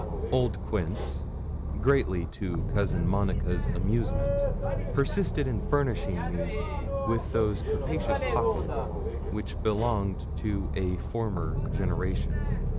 Old Quince, greatly to cousin Monica's amusement, persisted in furnishing me with those capacious pockets which belonged to a former generation.